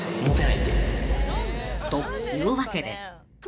［というわけで］